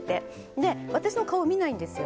で私の顔見ないんですよ